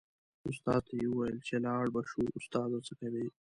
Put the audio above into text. استاد ته یې و ویل چې لاړ به شو استاده څه کوې.